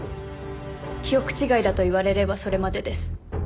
記憶違いだと言われればそれまでです。